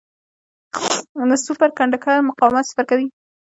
د سوپر کنډکټر مقاومت صفر کوي.